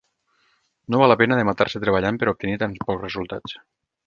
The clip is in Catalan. No val la pena de matar-se treballant, per obtenir tan pocs resultats.